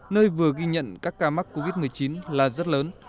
nơi vừa ghi nhận các ca mắc covid một mươi chín là rất lớn